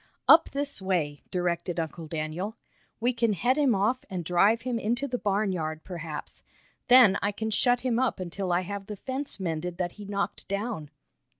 "Up this way," directed Uncle Daniel. "We can head him off and drive him into the barnyard, perhaps. Then I can shut him up until I have the fence mended that he knocked down."